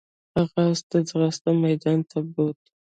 هغه اس ته د ځغاستې میدان ته بوت.